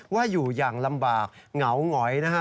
ว่าอยู่อย่างลำบากเหงาหงอยนะฮะ